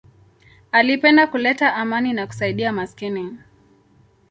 Alipenda kuleta amani na kusaidia maskini.